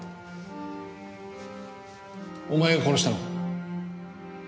お前が殺したのか？